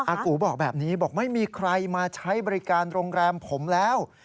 กูบอกแบบนี้บอกไม่มีใครมาใช้บริการโรงแรมผมแล้ว